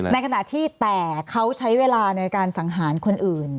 ในขณะที่แต่เขาใช้เวลาในการสังหารคนอื่น